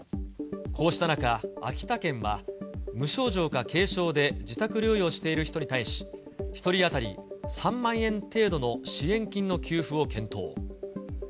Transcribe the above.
こうした中、秋田県は無症状か軽症で自宅療養している人に対し、１人当たり３万円程度の支援金の給付を検討。